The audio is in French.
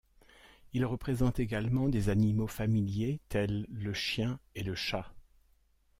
Il représente également des animaux familiers, tels le chien et le chat.